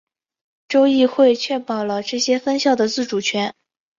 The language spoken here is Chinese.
州议会确保了这些分校的自主权。